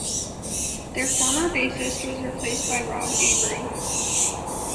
Their former bassist was replaced by Rob Avery.